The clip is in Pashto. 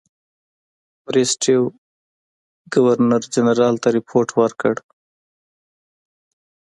بریسټو ګورنرجنرال ته رپوټ ورکړ.